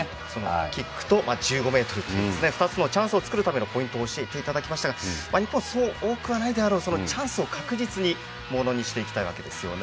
キックと１５ｍライン２つのチャンスを作るためのポイントを教えていただきましたが日本、そう多くはないであろうチャンスを確実にものにしていきたいわけですよね。